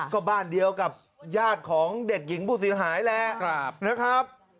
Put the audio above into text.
ก็บ้านเดียวกับญาติของเด็กหญิงผู้สีหายแล้ว